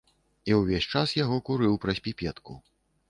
І ўвесь час яго курыў праз піпетку.